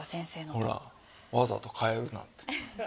ほらわざと変えるなんて。